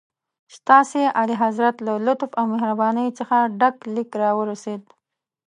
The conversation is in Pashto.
ستاسي اعلیحضرت له لطف او مهربانۍ څخه ډک لیک راورسېد.